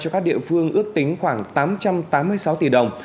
cho các địa phương ước tính khoảng tám trăm tám mươi sáu tỷ đồng